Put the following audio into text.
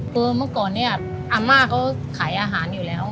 คือเมื่อก่อนเนี่ยอาม่าเขาขายอาหารอยู่แล้ว